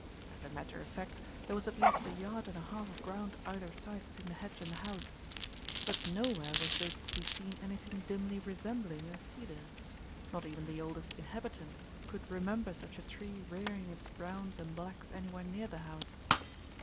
As a matter of fact, there was at least a yard and a half of ground either side between the hedge and the house; but nowhere was there to be seen anything dimly resembling a cedar. Not even the oldest inhabitant could remember such a tree rear ing its browns and blacks anywhere near the house.